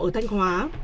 ở thanh hóa